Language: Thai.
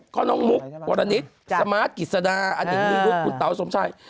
ก็น้องมุกบรรณิชย์สมาร์ทกิจสนาอันนี้คุณเต๋าสมชัย